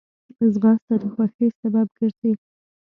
ځغاسته د خوښۍ سبب ګرځي